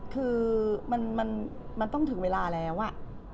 คือมันต้องถึงเวลาแล้วอะ